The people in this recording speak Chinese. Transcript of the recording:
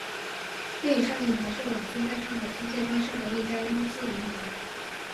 利升银行是晚清在上海租界开设的一家英资银行。